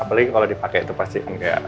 apalagi kalau dipakai itu pasti enggak